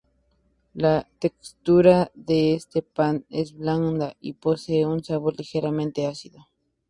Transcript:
La textura de este pan es blanda y posee un sabor ligeramente ácido.